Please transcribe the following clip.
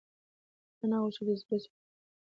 انا غوښتل چې د زړه سکون ومومي.